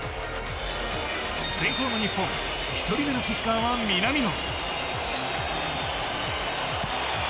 先攻の日本１人目のキッカーは南野。